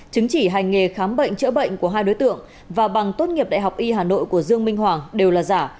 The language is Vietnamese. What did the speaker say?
chứng chỉ hành nghề khám bệnh chữa bệnh của hai đối tượng và bằng tốt nghiệp đại học y hà nội của dương minh hoàng đều là giả